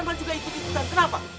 pak arman juga itu itu kan kenapa